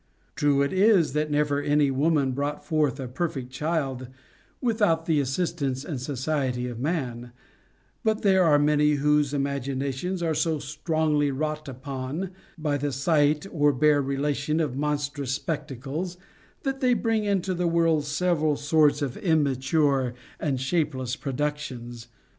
True it is, that never any woman brought forth a perfect child without the assistance and society of man, but there are many whose imaginations are so strongly wrought upon by the sight or bare relation of monstrous spectacles, that they bring into the world several sorts of immature and shapeless productions.